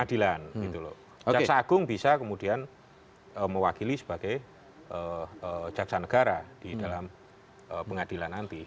jaksa agung bisa kemudian mewakili sebagai jaksa negara di dalam pengadilan nanti